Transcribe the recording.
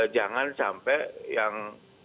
jangan sampai yang